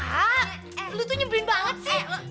ah lo tuh nyembrin banget sih